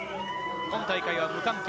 今大会は無観客。